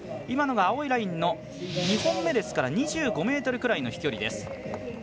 今のが青いラインの２本目ですから２５ｍくらいの飛距離です。